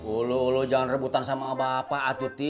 ulu ulu jangan rebutan sama bapak atuti